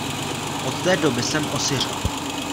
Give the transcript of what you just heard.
Od té doby jsem osiřel.